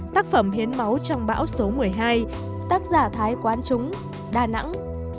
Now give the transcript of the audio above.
sáu tác phẩm hiến máu trong bão số một mươi hai tác giả thái quán trúng đà nẵng